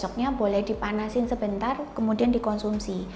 besoknya boleh dipanasin sebentar kemudian dikonsumsi